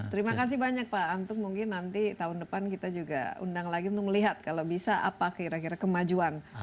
terima kasih banyak pak antuk mungkin nanti tahun depan kita juga undang lagi untuk melihat kalau bisa apa kira kira kemajuan